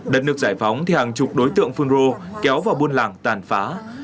đất nước giải phóng thì hàng chục đối tượng phun rô kéo vào buôn làng tàn phá